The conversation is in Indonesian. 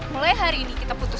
mulai hari ini kita putus